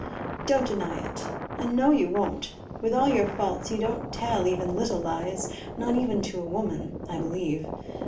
Don't deny it. I know you won't. With all your faults, you don't tell even little lies; not even to a woman I believe.